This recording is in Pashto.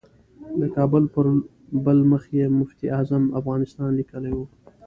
د کتاب پر بل مخ یې مفتي اعظم افغانستان لیکلی و.